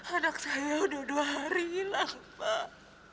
anak saya udah dua hari hilang pak